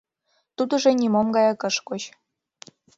Тудыжо нимом гаяк ыш коч.